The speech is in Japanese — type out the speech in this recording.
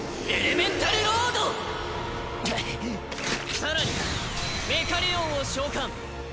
更にメカレオンを召喚。